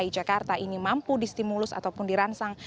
jakarta ini mampu distimulus ataupun diransang